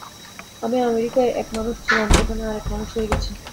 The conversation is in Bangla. আমি আমেরিকায় এক মানুষ ছিলাম, এখানে আর এক মানুষ হয়ে গেছি।